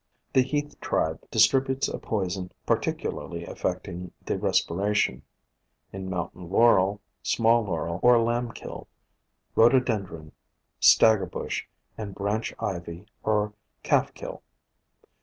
The Heath tribe distributes a poison particularly affecting the respiration, in Mountain Laurel, Small POISONOUS PLANTS 183 Laurel or Lambkill, Rhododendron, Staggerbush, and Branch Ivy or Calfkill.